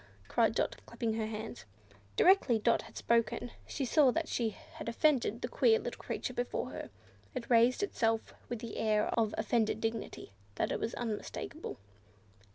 cried Dot, clapping her hands. Directly Dot had spoken she saw that she had offended the queer little creature before her. It raised itself with an air of offended dignity that was unmistakable.